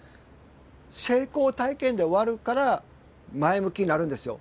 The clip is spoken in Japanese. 成功体験で終わるから前向きになるんですよ。